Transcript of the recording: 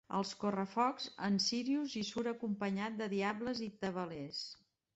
Als correfocs, en Sírius hi surt acompanyat de diables i tabalers.